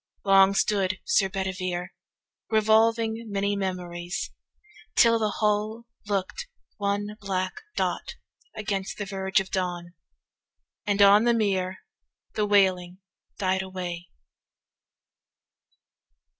Long stood Sir Bedivere Revolving many memories, till the hull 270 Look'd one black dot against the verge of dawn, And on the mere the wailing died away.